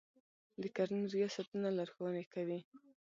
د کرنې ریاستونه لارښوونې کوي.